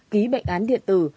ký bệnh án điện tử